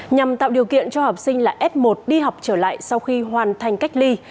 nhằm tạo điều kiện cho học sinh là f một đi học trở lại sau khi hoàn thành cách ly